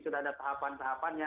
sudah ada tahapan tahapannya